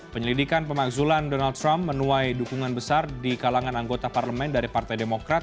penyelidikan pemakzulan donald trump menuai dukungan besar di kalangan anggota parlemen dari partai demokrat